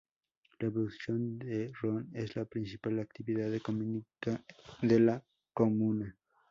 La producción de ron es la principal actividad económica de la comuna.